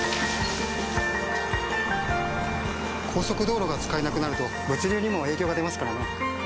速道路が使えなくなると物流にも影響が出ますからね。